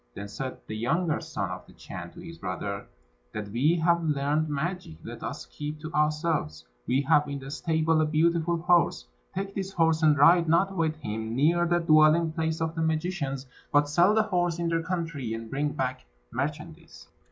Then said the younger son of the Chan to his brother, "That we have learned magic, let us keep to ourselves. We have in the stable a beautiful horse; take this horse, and ride not with him near the dwelling place of the magicians, but sell the horse in their country, and bring back merchandise."